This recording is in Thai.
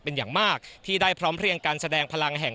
เป็นอย่างมากที่ได้พร้อมเพลียงการแสดงพลังแห่ง